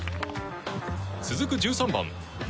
続く１３番。